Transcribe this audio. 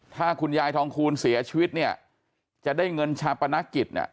ถ้าคุณยายทองคูณเสียชีวิตจะได้เงินชาปนักกิจ